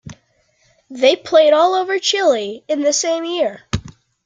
They played all over Chile in the same year.